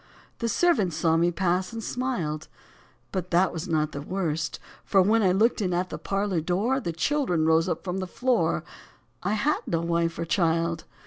The servants saw me pass and smiled. But that was not the worst, for when I looked in at the parlour door The children rose up from the floor : I had no wife or child.